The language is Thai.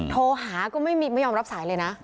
โทรหาก็ไม่ยอมรับสายเลยนะ